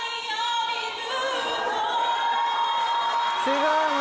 すごい。